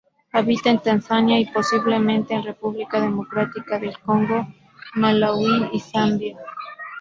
Habita en Tanzania y, posiblemente, en República Democrática del Congo, Malaui y Zambia.